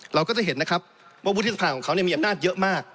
เราก็จะเห็นนะครับว่าวุฒิสภาของเขามีอำนาจเยอะมาก